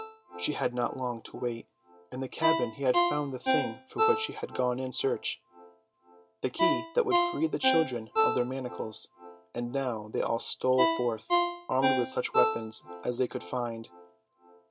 She had not long to wait. In the cabin he had found the thing for which he had gone in search: the key that would free the children of their manacles, and now they all stole forth, armed with such weapons as they could find.